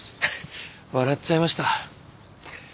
笑っちゃいました。